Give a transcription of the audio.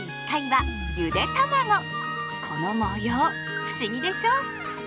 この模様不思議でしょ？